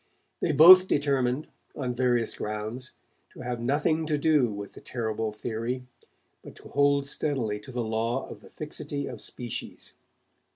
They both determined, on various grounds, to have nothing to do with the terrible theory, but to hold steadily to the law of the fixity of species.